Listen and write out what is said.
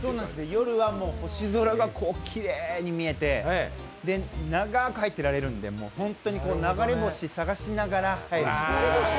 夜は星空がきれいに見えて長く入ってられるんで、流れ星を探しながら入る。